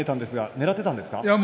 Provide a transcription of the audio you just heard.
ねらっていったんですか。